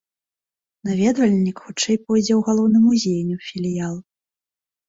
Наведвальнік хутчэй пойдзе ў галоўны музей, а не ў філіял.